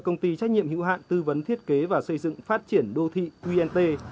công ty trách nhiệm hữu hạn tư vấn thiết kế và xây dựng phát triển đô thị qnt